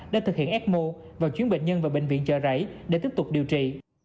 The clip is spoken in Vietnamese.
để thực hiện ecmo và chuyển bệnh nhân vào bệnh viện chờ rảy để tiếp tục điều trị